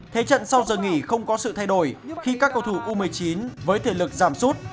thế trận sau giờ nghỉ không có sự thay đổi khi các cầu thủ u một mươi chín với thể lực giảm sút